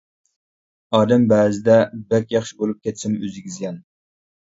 ئادەم بەزىدە بەك ياخشى بولۇپ كەتسىمۇ ئۆزىگە زىيان.